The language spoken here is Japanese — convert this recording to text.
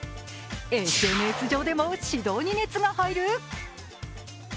ＳＮＳ上でも指導に熱が入る。